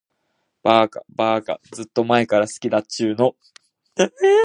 ばーか、ずーっと前から好きだっちゅーの。